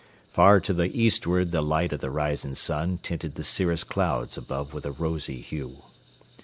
Far to the eastward the light of the rising sun tinted the cirrus clouds above with a rosy hue.